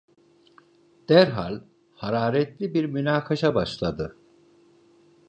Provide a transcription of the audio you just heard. Derhal hararetli bir münakaşa başladı.